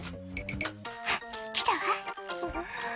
「あっ来たわうん」